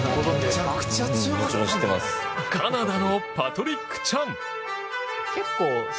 カナダのパトリック・チャン。